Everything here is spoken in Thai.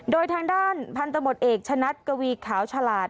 โดยทางด้านพันธมตเอกชนัดกวีขาวฉลาด